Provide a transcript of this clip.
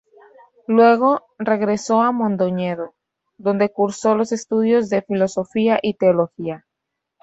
Luego, regresó a Mondoñedo, donde cursó los estudios de Filosofía y Teología.